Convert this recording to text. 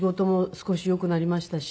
少しよくなりましたし。